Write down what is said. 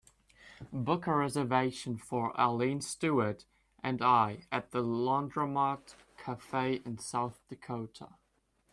Book a reservation for arlene stewart and I at The Laundromat Cafe in South Dakota